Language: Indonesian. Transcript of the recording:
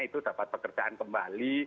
itu dapat pekerjaan kembali